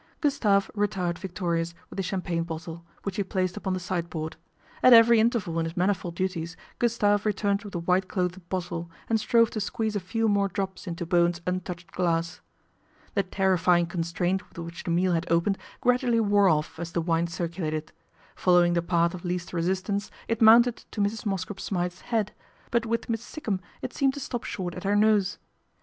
Gustave retired victorious with the champagne bottle, which he placed upon the sideboard. At every interval in his manifold duties, Gustave returned with the white clothed bottle, and strove to squeeze a few more drops into Bowen's un touched glass. The terrifying constraint with which the meal had opened gradually wore off as the wine circu lated. Following the path of least resistance, it mounted to Mrs. Mosscrop Smythe's head ; but with Miss Sikkum it seemed to stop short at her nose.